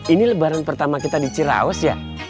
ini lebaran pertama kita di ciraus ya